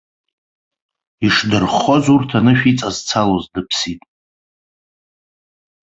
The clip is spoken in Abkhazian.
Ишдырххоз, урҭ анышә иҵазцалоз дыԥсит.